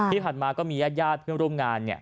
ที่ผ่านมาก็มีญาติเพื่อนร่วมงานเนี่ย